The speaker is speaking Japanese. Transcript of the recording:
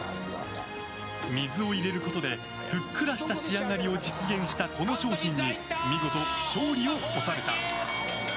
水を入れることでふっくらした仕上がりを実現したこの商品に見事勝利を収めた。